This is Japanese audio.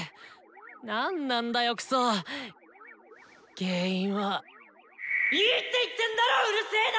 何なんだよくそっ原因は。いいって言ってんだろウルセーな！